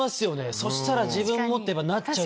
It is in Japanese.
そしたら自分もってなっちゃう。